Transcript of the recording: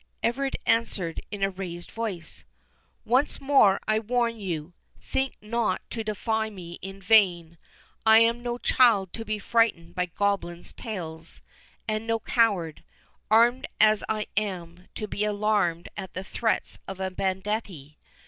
Everard answered in a raised voice.—"Once more I warn you, think not to defy me in vain. I am no child to be frightened by goblins' tales; and no coward, armed as I am, to be alarmed at the threats of banditti.